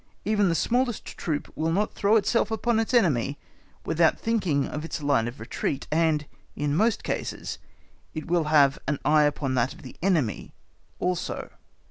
Even the smallest troop will not throw itself upon its enemy without thinking of its line of retreat, and, in most cases, it will have an eye upon that of the enemy also.